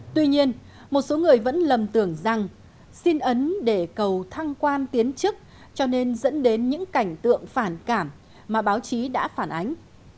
tuy nhiên một số người vẫn lầm tưởng rằng xin ấn để cầu thăng quan tiến chức cho nên dẫn đến những cảnh tượng phản cảm mà báo chí đã phản ánh